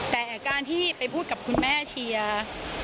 แต่การที่ไปพูดกับคุณแม่เชียร์